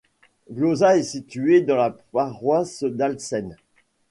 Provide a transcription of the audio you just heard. Glösa est situé dans la paroisse d'Alsen.